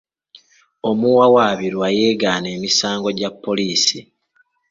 Omuwawaabirwa yeegaana emisango gya poliisi.